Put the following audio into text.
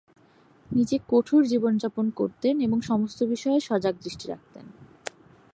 নিজে কঠোর জীবনযাপন করতেন এবং সমস্ত বিষয়ে সজাগ দৃষ্টি রাখতেন।